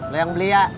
lo yang beli ya